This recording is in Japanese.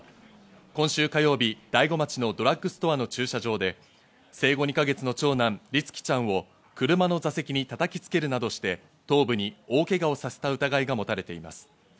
輝容疑者は、今週火曜日、大子町のドラッグストアの駐車場で生後２か月の長男・律希ちゃんを車の座席にたたきつけるなどして、頭部に大けがをさせた疑いが持たれています。